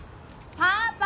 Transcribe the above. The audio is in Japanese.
パパ！